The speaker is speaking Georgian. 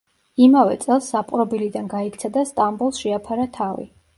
იმავე წელს საპყრობილიდან გაიქცა და სტამბოლს შეაფარა თავი.